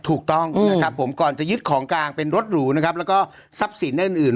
ถูกต้องนะครับผมก่อนจะยึดของกลางเป็นรถหรูนะครับแล้วก็ทรัพย์สินอื่น